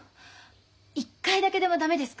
一回だけでも駄目ですか？